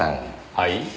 はい？